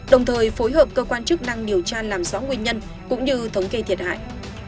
đồng thời phối hợp cơ quan chức năng điều tra làm rõ nguyên nhân cũng như thống kê thiệt hại